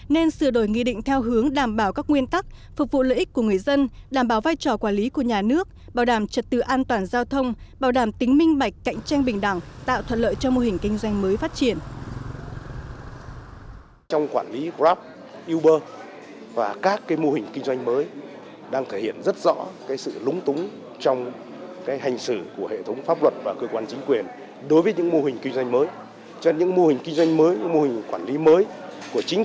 nên sửa đổi nghị định theo hướng đảm bảo các nguyên tắc phục vụ lợi ích của người dân đảm bảo vai trò quản lý của nhà nước bảo đảm trật tự an toàn giao thông bảo đảm tính minh bạch cạnh tranh bình đẳng tạo thuận lợi cho mô hình kinh doanh mới phát triển